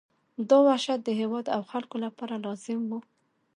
دا وحشت د هېواد او خلکو لپاره لازم وو.